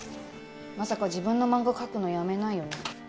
まさか自分の漫画描くのやめなよ。